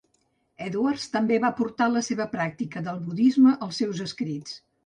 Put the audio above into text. Edwards també va portar la seva pràctica del budisme als seus escrits.